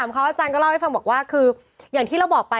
ขออาจารย์ก็เล่าให้ฟังบอกว่า